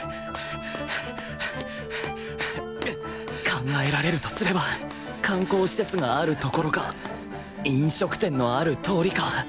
考えられるとすれば観光施設があるところか飲食店のある通りか？